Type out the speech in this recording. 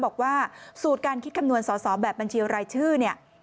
บอกว่าสูตรการคิดคำนวณสอสอแบบบัญชีรายชื่อเนี่ย